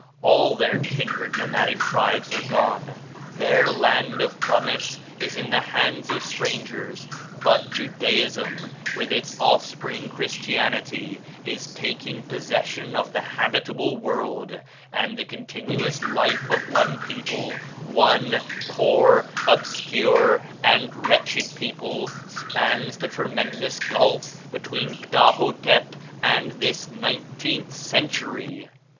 All their kindred nomadic tribes are gone; their land of promise is in the hands of strangers; but Judaism, with its offspring, Christianity, is taking possession of the habitable world; and the continuous life of one people one poor, obscure, and wretched people spans the tremendous gulf between "Ptah hotep" and this nineteenth century.